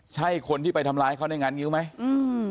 ใช่คนที่ไปทำร้ายเขาในงานงิ้วไหมอืม